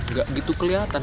nggak gitu kelihatan